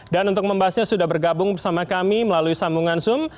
dan untuk membahasnya sudah bergabung bersama kami melalui sambungan zoom